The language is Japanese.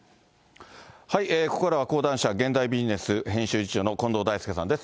ここからは講談社、現代ビジネス編集次長の近藤大介さんです。